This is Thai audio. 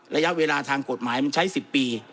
ระยะเวลาทางกฎหมายมันใช้๑๐ปี